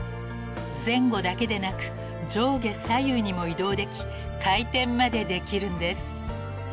［前後だけでなく上下左右にも移動でき回転までできるんです］